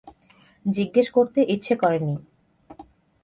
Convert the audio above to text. জিজ্ঞেস করতে ইচ্ছা করে নি।